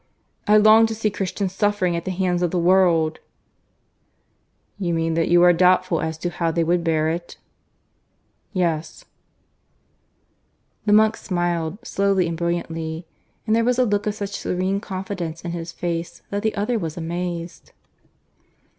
I long to see Christians suffering at the hands of the world." "You mean that you are doubtful as to how they would bear it?" "Yes." The monk smiled, slowly and brilliantly, and there was a look of such serene confidence in his face that the other was amazed.